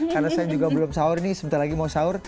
karena saya juga belum sahur ini sebentar lagi mau sahur